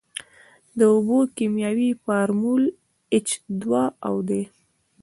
د اوبو کیمیاوي فارمول ایچ دوه او دی.